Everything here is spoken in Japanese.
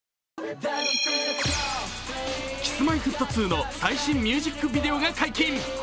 Ｋｉｓ−Ｍｙ−Ｆｔ２の最新ミュージックビデオが解禁。